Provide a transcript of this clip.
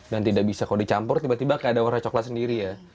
dan tidak bisa kalau dicampur tiba tiba kayak ada warna coklat sendiri ya